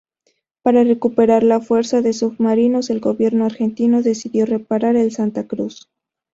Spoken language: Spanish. Para recuperar la Fuerza de Submarinos, el gobierno argentino decidió reparar el Santa Cruz.